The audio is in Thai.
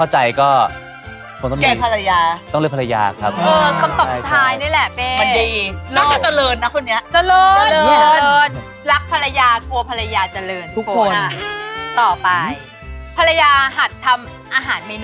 อะไรก็ก็ต้องมีเกอร์ฝรายาต้องเลือกฝรยาครับ